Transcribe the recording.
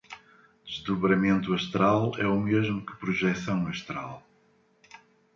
Desdobramento astral é o mesmo que projeção astral